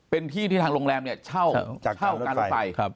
เป็นที่ที่ทางโรงแรมเนี่ยเช่าการรถไฟ